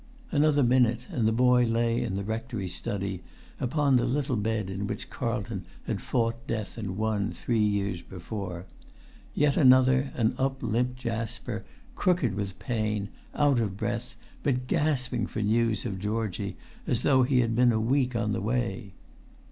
Another minute and the boy lay in the rectory study, upon the little bed in which Carlton had fought death and won three years before; yet another, and up limped Jasper, crooked with pain, out of breath, but gasping for news of Georgie as though he had been a week on the way.